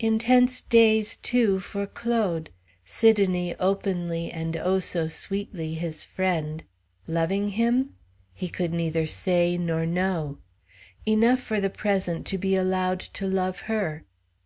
Intense days, too, for Claude. Sidonie openly, and oh, so sweetly, his friend. Loving him? He could neither say nor know; enough, for the present, to be allowed to love her.